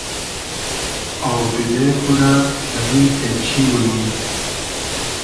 آودیدې خو رۂ دۂ دیل تېبچی مونوم